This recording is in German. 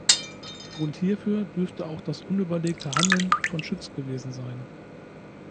Grund hierfür dürfte auch das unüberlegte Handeln von Schütz gewesen sein.